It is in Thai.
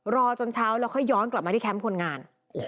รอจนเช้าแล้วค่อยย้อนกลับมาที่แคมป์คนงาน